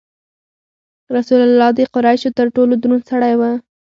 رسول الله د قریشو تر ټولو دروند سړی و.